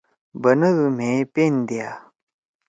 بنَدُو مھیئے پن دیا۔